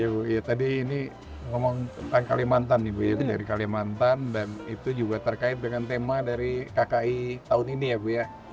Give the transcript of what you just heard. iya bu ya tadi ini ngomong tentang kalimantan ibu dari kalimantan dan itu juga terkait dengan tema dari kki tahun ini ya bu ya